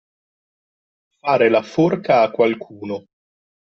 Fare la forca a qualcuno.